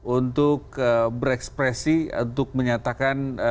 untuk berekspresi untuk menyatakan